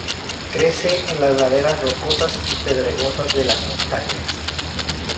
Crece en las laderas rocosas y pedregosas de las montañas.